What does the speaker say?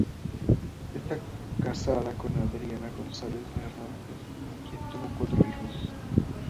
Está casado con Adriana González de Hernández, con quien tuvo cuatro hijos.